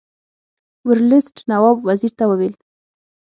ورلسټ نواب وزیر ته وویل.